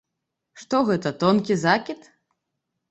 Што гэта, тонкі закід?